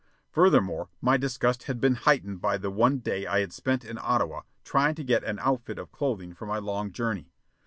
Furthermore, my disgust had been heightened by the one day I had spent in Ottawa trying to get an outfit of clothing for my long journey.